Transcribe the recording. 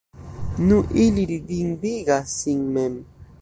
nu, ili ridindigas sin mem.